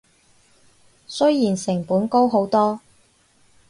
雖然成本高好多